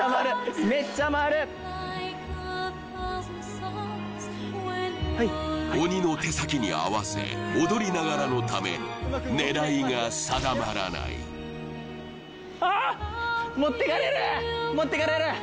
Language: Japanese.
めっちゃ回る鬼の手先に合わせ踊りながらのため狙いが定まらない持っていかれる！